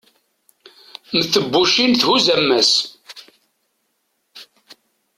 mm tebbucin thuzz ammas